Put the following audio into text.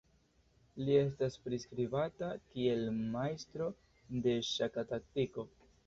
Li estas priskribata kiel majstro de ŝaka taktiko.